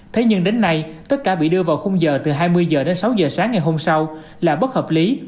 thế nhưng đến nay tất cả bị đưa vào khung giờ từ hai mươi h đến sáu giờ sáng ngày hôm sau là bất hợp lý